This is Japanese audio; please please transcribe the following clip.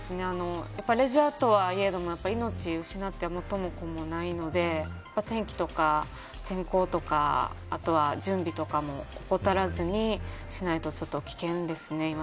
やっぱりレジャーとはいえ命を失っては元も子もないので天気とか天候とか準備とかも怠らずにしないと危険ですね